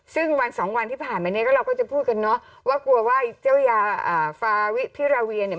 ซึ่งวันสองวันที่ผ่านมาเนี่ยก็เราก็จะพูดกันเนอะว่ากลัวว่าเจ้ายาฟาวิพิราเวียเนี่ย